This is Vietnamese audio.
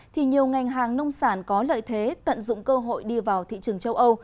thì nhiều ngành hàng nông sản có lợi thế tận dụng cơ hội đi vào thị trường châu âu